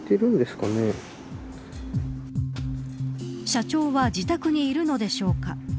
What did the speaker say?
社長は自宅にいるのでしょうか。